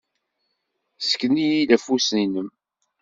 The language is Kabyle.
Ssken-iyi-d afus-nnem.